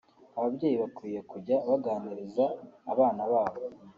Ababyeyi bakwiye kujya baganiriza abana babo